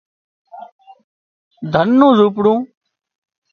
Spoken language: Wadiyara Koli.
ڌنَ نُو زونپڙون